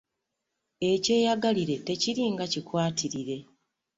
Eky'eyagalire tekiri nga kikwatirire .